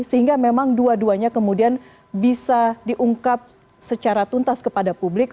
sehingga memang dua duanya kemudian bisa diungkap secara tuntas kepada publik